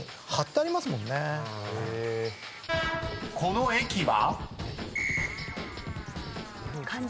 ［この駅は？］